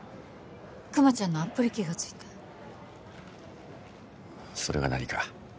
クマちゃんのアップリケがついたそれが何か？